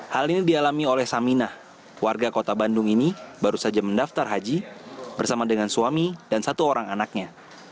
hal ini dialami oleh saminah warga kota bandung ini baru saja mendaftar haji bersama dengan suami dan satu orang anaknya